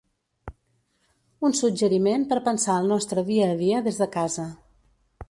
Un suggeriment per pensar el nostre dia a dia des de casa.